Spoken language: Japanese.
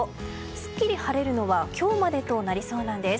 すっきり晴れるのは今日までとなりそうなんです。